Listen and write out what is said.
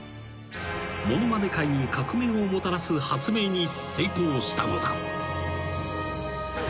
［ものまね界に革命をもたらす発明に成功したのだ］